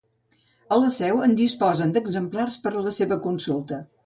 A la seu en disposen d'exemplars per a la seva consulta.